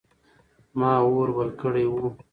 ما اور بل کړی و.